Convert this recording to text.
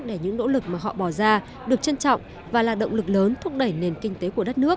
để những nỗ lực mà họ bỏ ra được trân trọng và là động lực lớn thúc đẩy nền kinh tế của đất nước